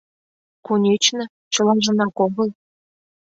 Конечно, чылажынак огыл.